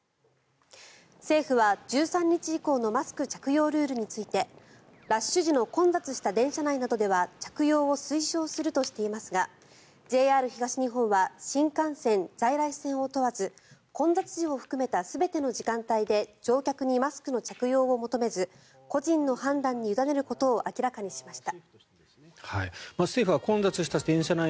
政府は、１３日以降のマスク着用ルールについてラッシュ時の混雑した電車内などでは着用を推奨するとしていますがＪＲ東日本は新幹線、在来線を問わず混雑時を含めた全ての時間帯で乗客にマスクの着用を求めず個人の判断に委ねることを明らかにしました。